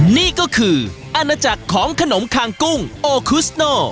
นี่ก็คืออาณาจักรของขนมคางกุ้งโอคุสโน